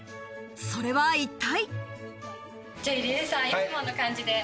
それは一体？